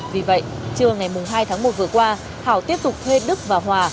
vì vậy trưa ngày hai tháng một vừa qua hảo tiếp tục thuê đức và hòa